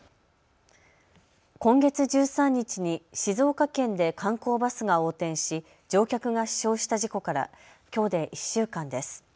今月１３日に静岡県で観光バスが横転し乗客が死傷した事故からきょうで１週間です。